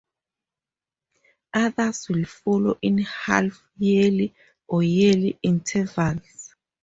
Others will follow in half-yearly or yearly intervals.